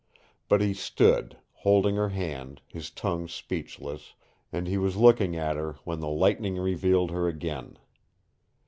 But he stood, holding her hand, his tongue speechless, and he was looking at her when the lightning revealed her again.